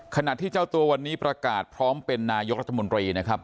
ขณะที่เจ้าตัววันนี้ประกาศพร้อมเป็นนายกรัฐมนตรีนะครับ